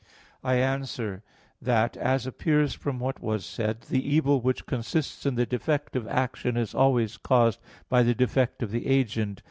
I answer that, As appears from what was said (A. 1), the evil which consists in the defect of action is always caused by the defect of the agent.